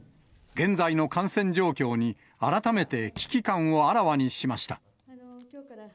現在の感染状況に、改めて危機感をあらわにしました。